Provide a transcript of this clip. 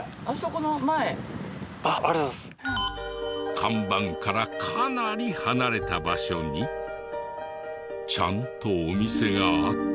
看板からかなり離れた場所にちゃんとお店があった。